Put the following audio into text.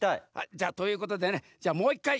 じゃということでねじゃあもう１かい